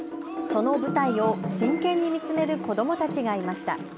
その舞台を真剣に見つめる子どもたちがいました。